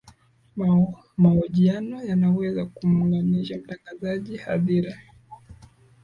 mahojiano yanaweza kumuunganisha mtangazaji na hadhira